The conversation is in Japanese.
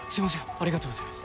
ありがとうございます。